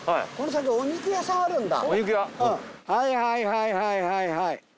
はいはいはいはい。